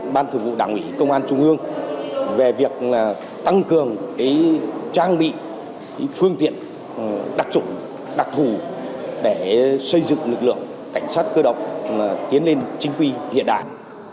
ban thường vụ đảng ủy công an trung ương về việc tăng cường trang bị phương tiện đặc trùng đặc thù để xây dựng lực lượng cảnh sát cơ động tiến lên chính quy hiện đại